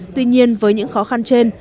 tuy nhiên với những khó khăn trên